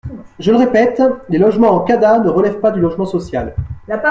Je le répète : les logements en CADA ne relèvent pas du logement social.